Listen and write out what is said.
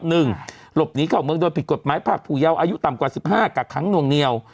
เพราะว่า๑หลบนี้โค่งเมืองก็ผิดกฎหมายภาพภูเดียวอายุต่ำกว่า๑๕กาครั้งโน่งเนี่ยว